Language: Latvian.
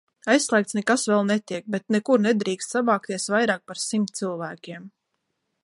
Aizslēgts nekas vēl netiek, bet nekur nedrīkst savākties vairāk par simt cilvēkiem.